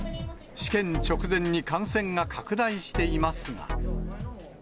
試験直前に感染が拡大していますが。